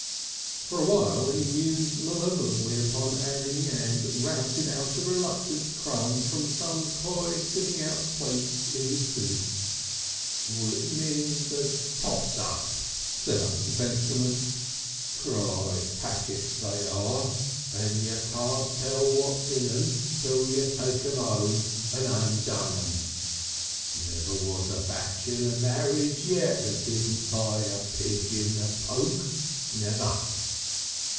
For a while he mused malevolently upon Annie, and routed out a reluctant crumb from some coy sitting out place in his tooth. "Wimmin's a toss up," said Uncle Pentstemon. "Prize packets they are, and you can't tell what's in 'em till you took 'em 'ome and undone 'em. Never was a bachelor married yet that didn't buy a pig in a poke. Never.